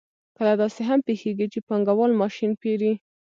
کله داسې هم پېښېږي چې پانګوال ماشین پېري